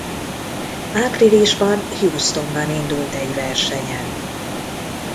Áprilisban Houstonban indult egy versenyen.